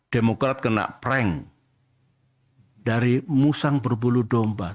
demokrat kena prank dari musang berbulu domba